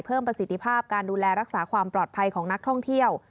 ประสิทธิภาพการดูแลรักษาความปลอดภัยของนักท่องเที่ยว